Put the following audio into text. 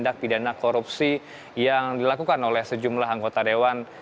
dan ini adalah sebuah tindak pidana korupsi yang dilakukan oleh sejumlah anggota dewan